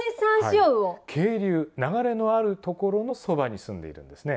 渓流流れのある所のそばに住んでいるんですね。